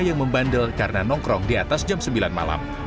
yang membandel karena nongkrong di atas jam sembilan malam